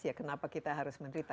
ya kenapa kita harus menderita